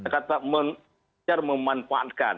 kata mencar memanfaatkan